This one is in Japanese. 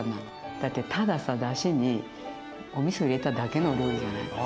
だってたださだしにおみそ入れただけのお料理じゃない？